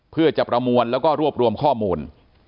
เพื่อจะประมวลแล้วก็รวบรวมข้อมูล